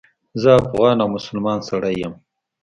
زه افغان او مسلمان سړی یم.